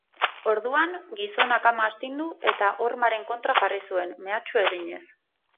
Orduan, gizonak ama astindu eta hormaren kontra jarri zuen, mehatxu eginez.